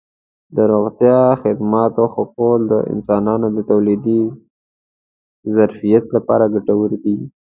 د روغتیا خدماتو ښه کول د انسانانو د تولیدي ظرفیت لپاره ګټور دي.